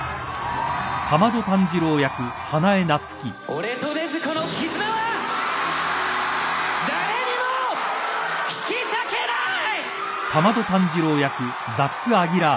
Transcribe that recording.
「俺と禰豆子の絆は誰にも引き裂けない！！」